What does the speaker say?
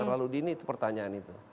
terlalu dini itu pertanyaan itu